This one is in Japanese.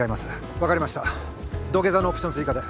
分かりました土下座のオプション追加で。